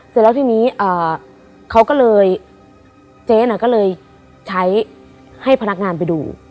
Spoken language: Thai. เสร็จแล้วทีนี้เขาก็เลยเจ๊น่ะก็เลยใช้ให้พนักงานไปดู